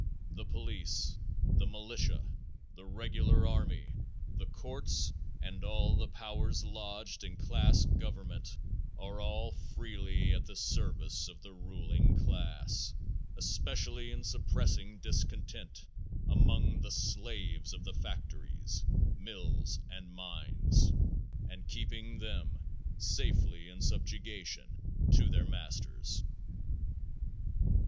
The police, the militia, the regular army, the courts and all the powers lodged in class government are all freely at the service of the ruling class, especially in suppressing discontent among the slaves of the factories, mills and mines, and keeping them safely in subjugation to their masters.